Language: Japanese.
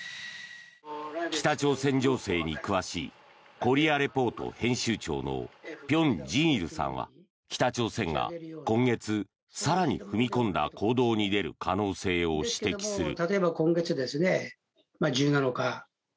北朝鮮情勢に詳しい「コリア・レポート」編集長の辺真一さんは北朝鮮が今月、更に踏み込んだ行動に出る可能性を指摘する。